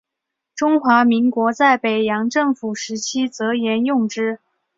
中华民国在北洋政府时期则沿用之。